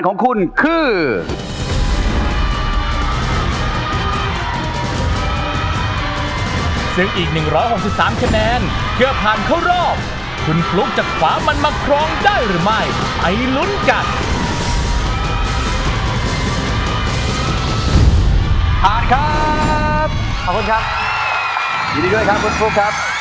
ครับขอบคุณครับยินดีด้วยครับคุณฟลุ๊กครับ